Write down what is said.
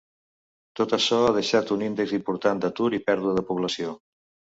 Tot açò ha deixat un índex important d'atur i pèrdua de població.